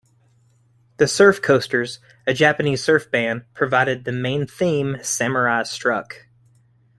The Surf Coasters, a Japanese surf band, provided the main theme, "Samurai Struck".